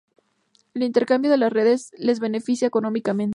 el intercambio en las redes les beneficia económicamente.